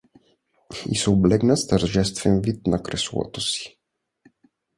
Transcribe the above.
И се облегна с тържествен вид на креслото си.